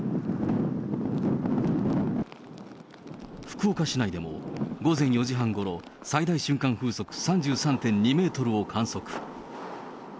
福岡市内でも、午前４時半ごろ、最大瞬間風速３３．２メートルを観測。